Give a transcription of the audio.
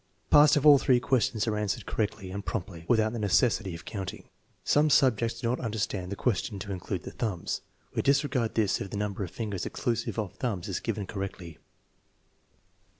Passed if all three questions are answered cor rectly and promptly without the necessity of counting. Some subjects do not understand the question to include the thumbs. We disregard this if the number of fingers exclusive of thumbs is given correctly.